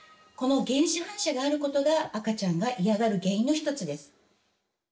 この原始反射があることが赤ちゃんが嫌がる原因の１つです。